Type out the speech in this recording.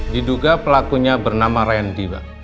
diduga pelakunya bernama randy pak